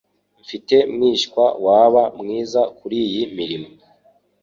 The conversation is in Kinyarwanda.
Mfite mwishywa waba mwiza kuriyi mirimo.